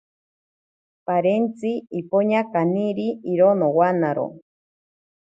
Parentzi ipoña kaniri iro nowanaro.